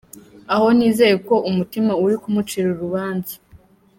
Aho nizeye ko umutima uri kumucira urubanza.